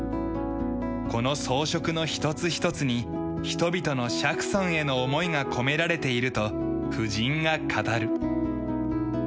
この装飾の一つ一つに人々の釈尊への思いが込められていると婦人が語る。